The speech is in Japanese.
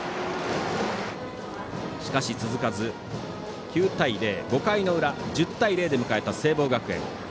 しかし、続かず９対０。５回の裏１０対０で迎えた聖望学園。